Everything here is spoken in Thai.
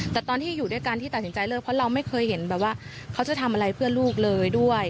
แต่ตอนที่อยู่ด้วยกันที่ตัดสินใจเลิกเพราะเราไม่เคยเห็นแบบว่าเขาจะทำอะไรเพื่อลูกเลยด้วย